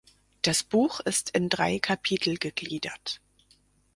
Das Buch ist in drei Kapitel gegliedert.